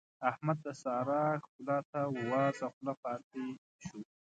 احمد د سارا ښکلا ته وازه خوله پاته شو.